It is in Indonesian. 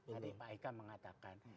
tadi pak eka mengatakan